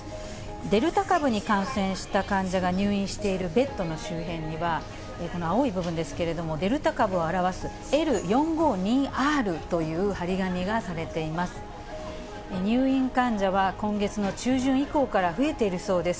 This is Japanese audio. デルタ株に感染した患者が入院しているベッドの周辺には、この青い部分ですけれども、デルタ株を表すＬ４５２Ｒという貼り紙がされています。